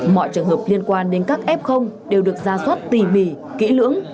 mọi trường hợp liên quan đến các f đều được ra soát tỉ mỉ kỹ lưỡng